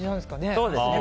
そうですね。